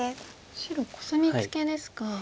白コスミツケですか。